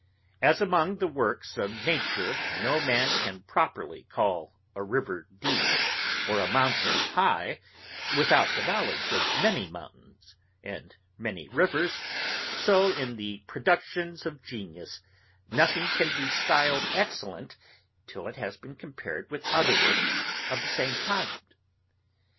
As among the works of nature no man can properly call a river deep, or a mountain high, without the knowledge of many mountains, and many rivers; so in the productions of genius, nothing can be stiled excellent till it has been compared with other works of the same kind.